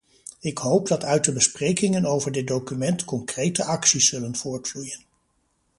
Ik hoop dat uit de besprekingen over dit document concrete acties zullen voortvloeien.